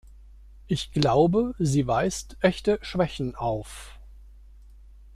Ich glaube, sie weist echte Schwächen auf.